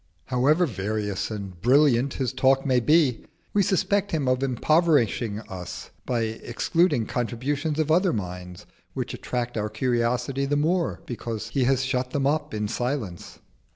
However various and brilliant his talk may be, we suspect him of impoverishing us by excluding the contributions of other minds, which attract our curiosity the more because he has shut them up in silence.